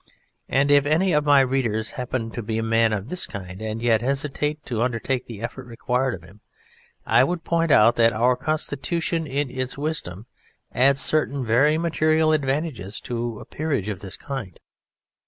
And if any of my readers happen to be a man of this kind and yet hesitate to undertake the effort required of him, I would point out that our Constitution in its wisdom adds certain very material advantages to a peerage of this kind.